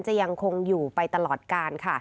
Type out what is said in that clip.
จะยังคงอยู่ไปตลอดกาลค่ะ